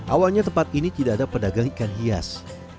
awalnya tempat ini tidak ada pedagang ikan hias